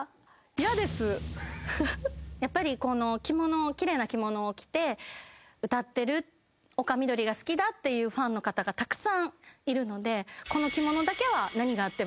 やっぱりこの奇麗な着物を着て歌ってる丘みどりが好きだっていうファンの方がたくさんいるので。